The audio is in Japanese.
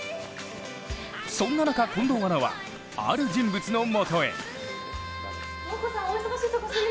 そんな中、近藤アナはある人物のもとへ。